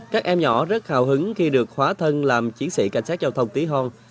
các em nhỏ rất hào hứng khi được hóa thân làm chiến sĩ cảnh sát giao thông tí hon